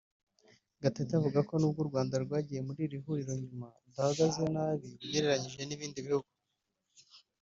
Gatete avuga ko n’ubwo u Rwanda rwagiye muri iri huriro nyuma rudahagaze nabi ugereranyije n’ibindi bihugu